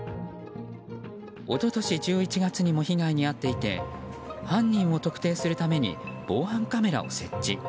一昨年１１月にも被害に遭っていて犯人を特定するために防犯カメラを設置。